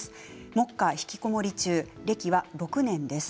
目下ひきこもり中で際６年です。